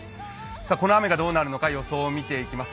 この雨がどうなるのか予想を見ていきます。